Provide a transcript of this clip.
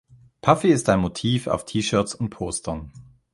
Puffy ist ein Motiv auf T-Shirts und Postern.